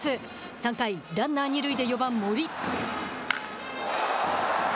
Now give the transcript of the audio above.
３回ランナー二塁で４番、森。